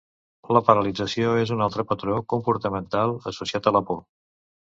La paralització és un altre patró comportamental associat a la por.